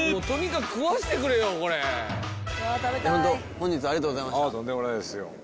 「とにかく食わせてくれよ！